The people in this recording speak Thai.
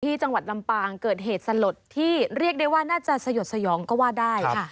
จังหวัดลำปางเกิดเหตุสลดที่เรียกได้ว่าน่าจะสยดสยองก็ว่าได้ค่ะ